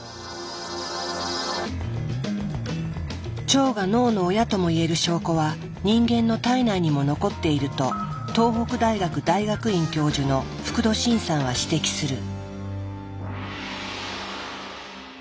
腸が脳の親ともいえる証拠は人間の体内にも残っていると東北大学大学院教授の福土審さんは指摘する。